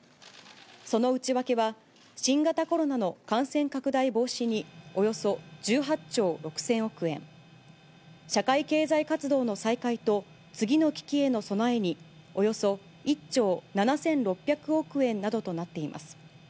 その内訳は、新型コロナの感染拡大防止に、およそ１８兆６０００億円、社会経済活動の再開と次の危機への備えに、およそ１兆７６００億円などとなっています。